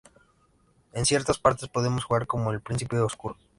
En ciertas partes podemos jugar como el Príncipe Oscuro.